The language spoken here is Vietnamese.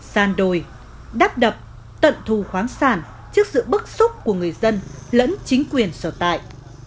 sàn đồi đắp đập tận thu khoáng sàn trước sự bức xúc của người dân lẫn chính quyền sở tại